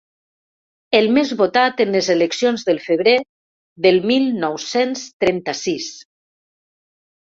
El més votat en les eleccions del febrer del mil nou-cents trenta-sis.